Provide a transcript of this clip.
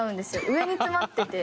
上に詰まってて。